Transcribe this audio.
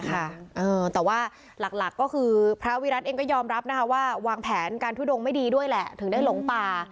แต่ว่าหลักก็คือพระวิรัติเองก็ยอมรับนะคะว่าวางแผนการทุดงไม่ดีด้วยแหละถึงได้หลงป่า